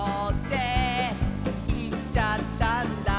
「いっちゃったんだ」